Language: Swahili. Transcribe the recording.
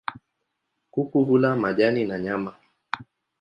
Kuku hula majani na nyama.